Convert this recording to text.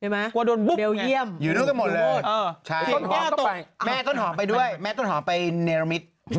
แม่ต้นหอมไปด้วยแม่ต้นหอมไปเนรมิตร